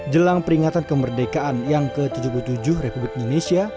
jelang peringatan kemerdekaan yang ke tujuh puluh tujuh republik indonesia